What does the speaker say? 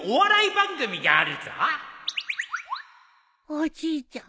おじいちゃん